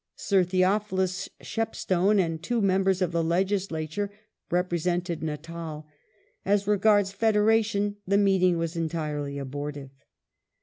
Sir Theophilus Shepstone and two^ membei s of the Legislature represented Natal. As regards federa tion the meeting was entirely abortive.